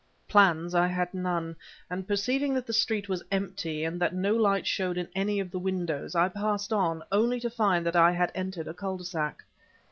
Plans, I had none, and perceiving that the street was empty, and that no lights showed in any of the windows, I passed on, only to find that I had entered a cul de sac.